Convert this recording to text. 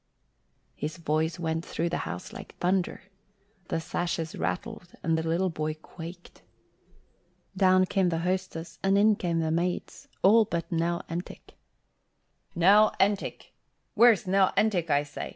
His voice went through the house like thunder. The sashes rattled and the little boy quaked. Down came the hostess and in came the maids all but Nell Entick. "Nell Entick! Where's Nell Entick, I say!